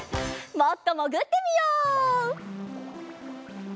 もっともぐってみよう。